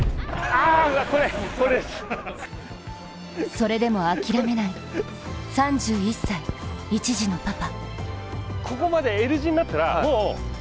それでも諦めない３１歳、１児のパパ。